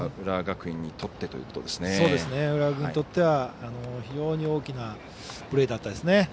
浦和学院にとっては非常に大きなプレーでしたね。